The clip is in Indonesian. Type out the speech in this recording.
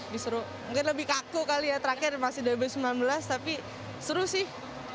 mungkin lebih kaku kali ya terakhir masih dari b sembilan belas tapi seru sih